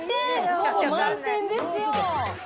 ほぼ満点ですよ。